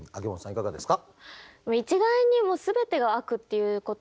いかがですか？